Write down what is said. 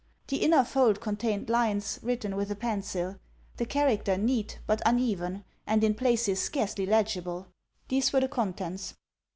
The inner fold contained lines, written with a pencil: the character neat, but uneven; and, in places, scarcely legible. These were the contents.